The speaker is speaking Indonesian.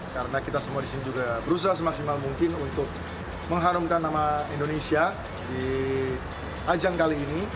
karena kita semua di sini juga berusaha semaksimal mungkin untuk mengharumkan nama indonesia di ajang kali ini